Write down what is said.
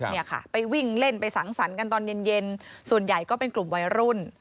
เนี่ยค่ะไปวิ่งเล่นไปสังสรรค์กันตอนเย็นส่วนใหญ่ก็เป็นกลุ่มวัยรุ่น